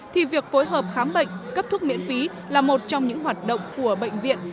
thì việc phối hợp khám bệnh cấp thuốc miễn phí là một trong những hoạt động của bệnh viện